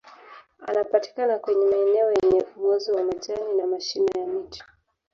anapatikana kwenye maeneo yenye uozo wa majani na mashina ya miti